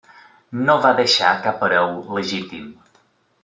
No va deixar cap hereu legítim.